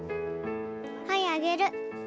はいあげる。